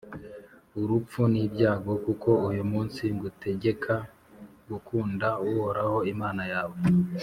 urupfun’ibyago ; kuko uyu munsi ngutegeka gukunda uhoraho imana yawe,